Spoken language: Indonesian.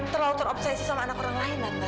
terlalu terobsesi sama anak orang lain